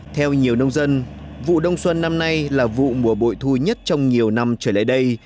theo nhiều nông dân vụ đông xuân năm nay là vụ mùa bội thu nhất trong nhiều năm trở lại đây